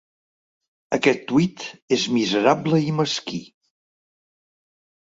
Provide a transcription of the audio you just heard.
Aquest tuit és miserable i mesquí.